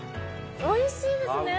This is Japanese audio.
おいしいですね。